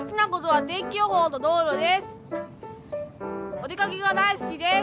お出かけが大好きです。